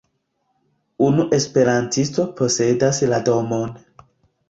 Unu esperantisto posedas la domon.